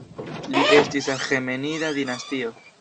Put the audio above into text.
Li estis de Aĥemenida dinastio.